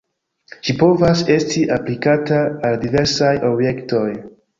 Ĝi povas esti aplikata al diversaj objektoj.